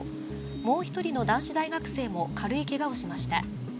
もう１人の男子大学生も軽いけがをしました。